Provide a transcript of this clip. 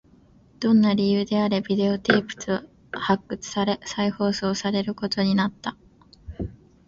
どんな理由であれ、ビデオテープは発掘され、再放送されることになった